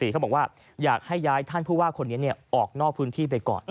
เขาบอกว่าอยากให้ย้ายท่านผู้ว่าคนนี้ออกนอกพื้นที่ไปก่อน